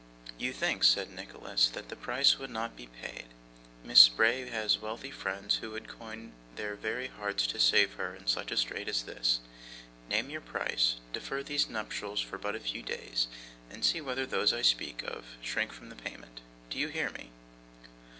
'You think,' said Nicholas, 'that the price would not be paid. Miss Bray has wealthy friends who would coin their very hearts to save her in such a strait as this. Name your price, defer these nuptials for but a few days, and see whether those I speak of, shrink from the payment. Do you hear me?